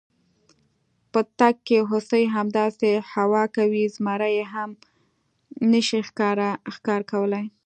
په تګ کې هوسۍ، همداسې هوا کوي، زمري یې هم نشي ښکار کولی.